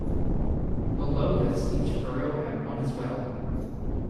Below this each borough had one as well.